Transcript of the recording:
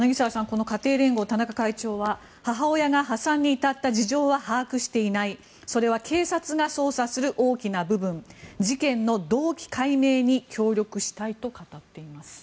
この家庭連合、田中会長は母親が破産に至った事情は把握していないそれは警察が捜査する大きな部分事件の動機解明に協力したいと語っています。